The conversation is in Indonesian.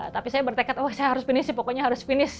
tapi saya bertekad oh saya harus finish pokoknya harus finish